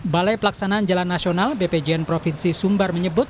balai pelaksanaan jalan nasional bpjn provinsi sumbar menyebut